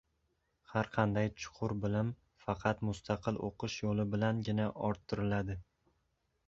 Har qanday chuqur bilim faqat mustaqil o‘qish yo‘li bilangina orttiriladi.